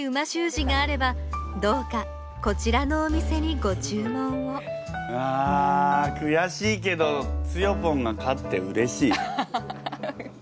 字があればどうかこちらのお店にご注文をああくやしいけどつよぽんが勝ってうれしい。